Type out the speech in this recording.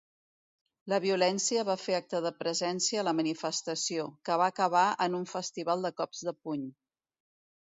La violència va fer acte de presència a la manifestació, que va acabar en un festival de cops de puny